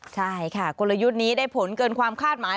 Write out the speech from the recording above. ใช่ค่ะกลยุทธ์นี้ได้ผลเกินความคาดหมาย